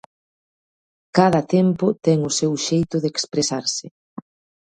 Cada tempo ten o seu xeito de expresarse.